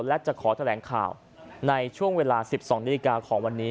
และจะขอแถลงข่าวในช่วงเวลา๑๒นาฬิกาของวันนี้